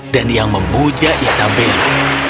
dan yang membuja isabella